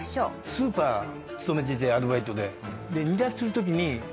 スーパーに勤めていてアルバイトで。